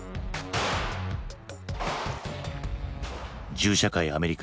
銃社会アメリカ。